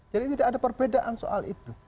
jadi tidak ada perbedaan soal itu